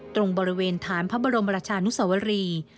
ตรงบริเวณฐานพระบรมราชานุสวรี